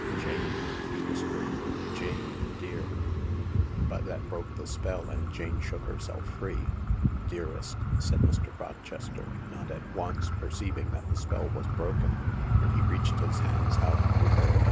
" Jane," he whispered. " Jane dear/' But that broke the spell, and Jane shook herself free. "Dearest," said Mr. Rochester not at once perceiving that the spell was broken, and he reached his hands out to her.